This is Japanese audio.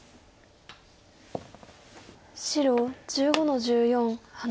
白１５の十四ハネ。